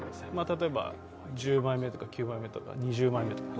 例えば１０枚目とか９枚目とか２０枚目とか。